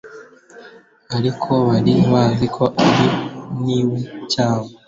Ariko bari bazi ko ananiwe cyane,